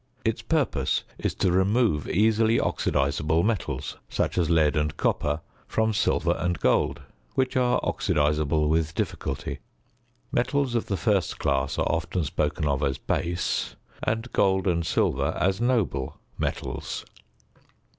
Its purpose is to remove easily oxidisable metals, such as lead and copper, from silver and gold, which are oxidisable with difficulty. Metals of the first class are often spoken of as base, and gold and silver as noble metals.